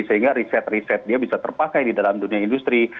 sehingga riset riset dia bisa terpakai di dalam dunia industri